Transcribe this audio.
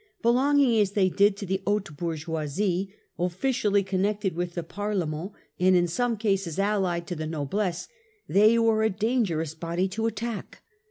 Belonging as they did to the haute bour geoisie, , officially connected with the Parlement , and in some cases allied to the noblesse , they were a dangerous body to attack.